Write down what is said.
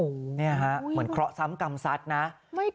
เนี่ยฮะเหมือนเคราะห์ซ้ำกำซัดนะ